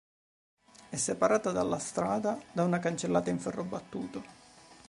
È separata dalla strada da una cancellata in ferro battuto.